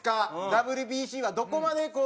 ＷＢＣはどこまでこう。